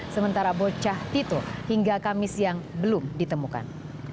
sementara bocah tito hingga kamis siang belum ditemukan